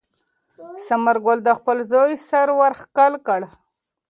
ثمر ګل د خپل زوی سر ور ښکل کړ.